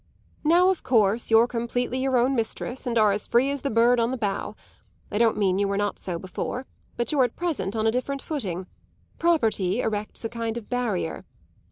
"Now, of course, you're completely your own mistress and are as free as the bird on the bough. I don't mean you were not so before, but you're at present on a different footing property erects a kind of barrier.